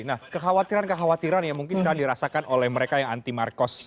nah kekhawatiran kekhawatiran yang mungkin sudah dirasakan oleh mereka yang menurut anda